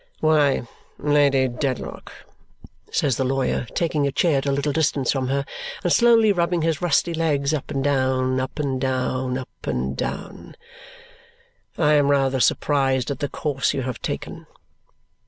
"Why, Lady Dedlock," says the lawyer, taking a chair at a little distance from her and slowly rubbing his rusty legs up and down, up and down, up and down, "I am rather surprised by the course you have taken."